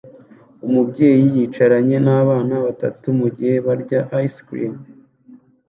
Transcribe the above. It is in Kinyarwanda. Umubyeyi yicaranye nabana batatu mugihe barya ice cream